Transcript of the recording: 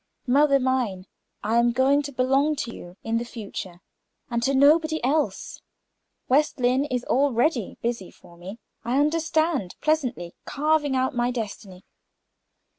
"Mother mine, I am going to belong to you in the future, and to nobody else. West Lynne is already busy for me, I understand, pleasantly carving out my destiny.